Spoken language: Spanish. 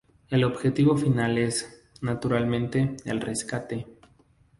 El objetivo final es, naturalmente, el rescate.